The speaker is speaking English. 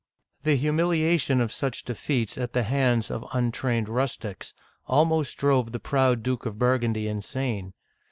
The humiliation of such defeats at the hands of untrained rustics almost drove the proud Duke of Burgundy insane.